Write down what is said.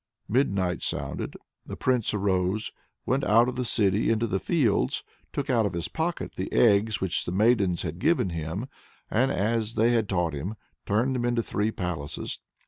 Midnight sounded. The Prince arose, went out of the city into the fields, took out of his pocket the eggs which the maidens had given him, and, as they had taught him, turned them into three palaces.